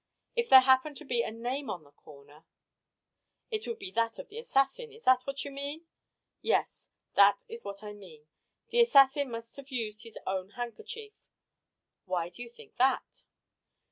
If there happened to be a name on the corner " "It would be that of the assassin. Is that what you mean?" "Yes, that is what I mean. The assassin must have used his own handkerchief." "Why do you think that?"